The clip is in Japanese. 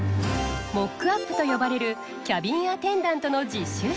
モックアップと呼ばれるキャビンアテンダントの実習室。